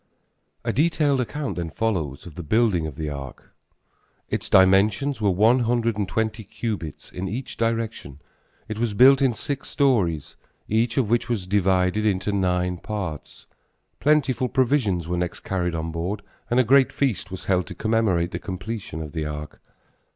A detailed account then follows of the building of the ark. Its dimensions were one hundred and twenty cubits in each direction. It was built in six stories, each of which was divided into nine parts. Plentiful provisions were next carried on board and a great feast was held to commemorate the completion of the ark.